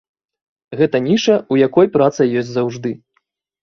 Гэта ніша, у якой праца ёсць заўжды.